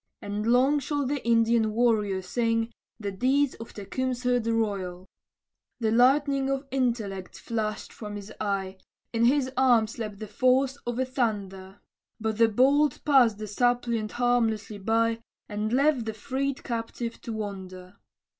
And long shall the Indian warrior sing The deeds of Tecumseh the royal. The lightning of intellect flashed from his eye, In his arm slept the force of the thunder, But the bolt passed the suppliant harmlessly by, And left the freed captive to wonder.